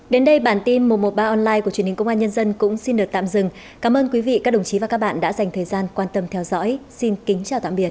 đến đây bản tin một trăm một mươi ba online của truyền hình công an nhân dân cũng xin được tạm dừng cảm ơn quý vị các đồng chí và các bạn đã dành thời gian quan tâm theo dõi xin kính chào tạm biệt